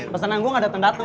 pesanan gue gak dateng dateng